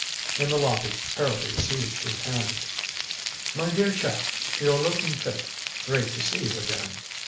In the lobby Harrowby seized his hand. "My dear chap you're looking fit. Great to see you again.